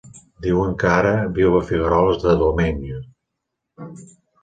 Diuen que ara viu a Figueroles de Domenyo.